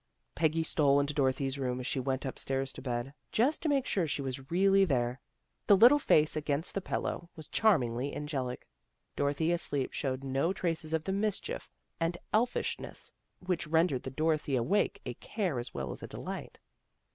Peggy stole into Dorothy's room as she went upstairs to bed, just to make sure she was really there. The little face against the pillow was charmingly angelic. Dorothy asleep showed no traces of the mischief and elfishness which rendered the Dorothy awake a care as well as a delight.